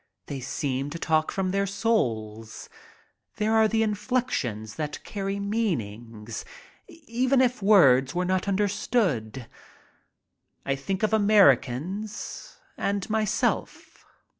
They seem to talk from their souls. There are the inflections that carry meanings, even if words were not understood. I think of Americans and myself.